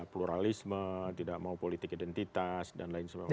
pluralisme tidak mau politik identitas dan lain sebagainya